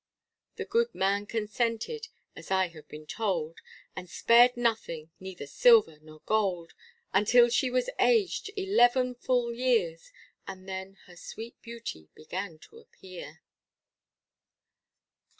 The good man consented, as I have been told, And spared nothing neither silver nor gold; Until she was aged eleven full years, And then her sweet beauty began to appear.